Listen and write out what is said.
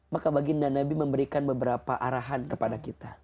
maka baginda nabi memberikan beberapa arahan kepada kita